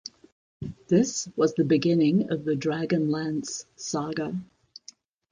This was the beginning of the "Dragonlance" saga.